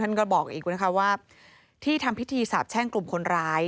ท่านก็บอกอีกว่าที่ทำพิธีสาปแช่งกลุ่มคนร้าย